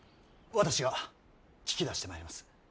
私が聞き出してまいります。